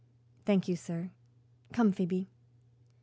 "Thank you, sir. Come, Phoebe."